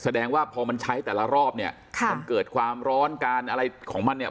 แสดงว่าพอมันใช้แต่ละรอบเนี่ยค่ะมันเกิดความร้อนการอะไรของมันเนี่ย